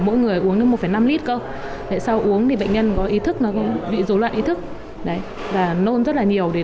mỗi người uống một năm lít cơ sau uống bệnh nhân bị dối loạn ý thức nôn rất nhiều